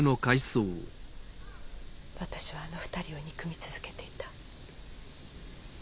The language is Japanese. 私はあの２人を憎み続けていた。